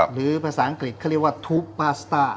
หรือภาษาอังกฤษเขาเรียกว่าทูปปาสต้า